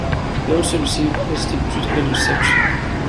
It also received positive critical reception.